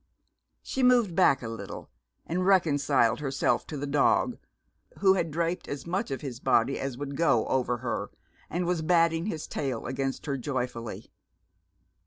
She moved back a little, and reconciled herself to the dog, who had draped as much of his body as would go, over her, and was batting his tail against her joyfully.